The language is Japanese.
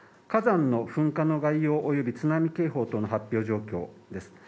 火山の噴火の概要および津波警報等の発表状況です。